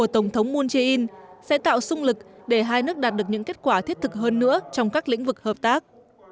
tổng thống moon jae in sẽ tạo sung lực để hai nước đạt được những kết quả thiết thực hơn nữa trong các lĩnh vực hợp tác